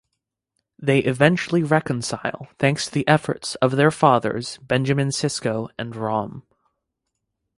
They eventually reconcile, thanks to the efforts of their fathers, Benjamin Sisko and Rom.